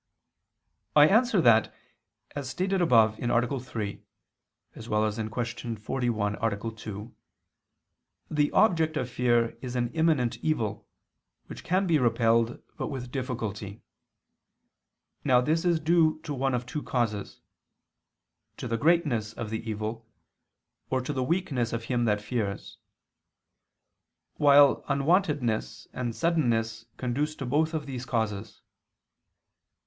I answer that, As stated above (A. 3; Q. 41, A. 2), the object of fear is an imminent evil, which can be repelled, but with difficulty. Now this is due to one of two causes: to the greatness of the evil, or to the weakness of him that fears; while unwontedness and suddenness conduce to both of these causes.